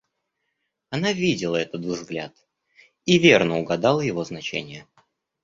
Она видела этот взгляд и верно угадала его значение.